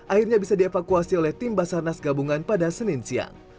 akhirnya bisa dievakuasi oleh tim basarnas gabungan pada senin siang